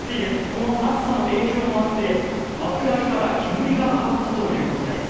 この暑さの影響もあって枕木から煙が上がったということです。